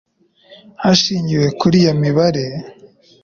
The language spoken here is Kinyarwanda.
Hashingiwe kuri iyi mibare